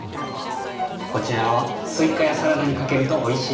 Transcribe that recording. こちらはスイカやサラダにかけるとおいしいお塩。